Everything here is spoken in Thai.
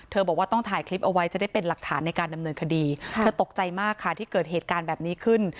บอกว่าต้องถ่ายคลิปเอาไว้จะได้เป็นหลักฐานในการดำเนินคดีเธอตกใจมากค่ะที่เกิดเหตุการณ์แบบนี้ขึ้น